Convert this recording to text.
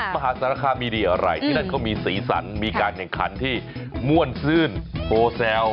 มหาสารคามมีดีอะไรที่นั่นเขามีสีสันมีการแข่งขันที่ม่วนซื่นโพแซล